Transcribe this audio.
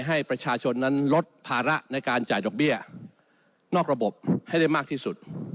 ให้ประชาชนนั้นลดภาระในการจ่ายดอกเบี้ยนอกระบบให้ได้มากที่สุด